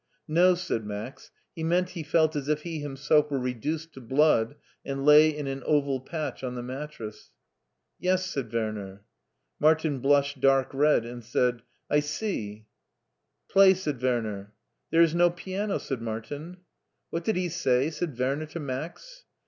No/' said Max, " he meant he felt as if he himself were reduced to blood and lay in an oval patch on the mattress." " Yes/' said Werner. Martin blushed dark red, and said :" I see." " Play/' said Werner. There is no piano," said Martin. What did he say? " said Werner to Max.